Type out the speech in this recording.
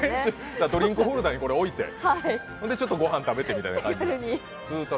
ドリンクホルダーにこれ置いて、ちょっと御飯食べてみたいな感じですか。